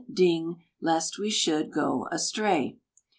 DING! Lest we should go astray.